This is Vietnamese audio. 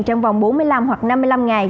trong vòng bốn mươi năm hoặc năm mươi năm ngày